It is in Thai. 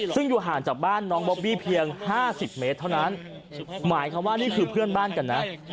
ซึ่งอยู่ห่างจากบ้านน้องบอบบี้เพียง๕๐เมตรเท่านั้นหมายความว่านี่คือเพื่อนบ้านกันนะ